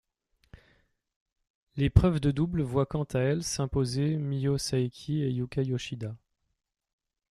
L'épreuve de double voit quant à elle s'imposer Miho Saeki et Yuka Yoshida.